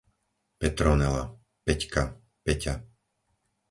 Petronela, Peťka, Peťa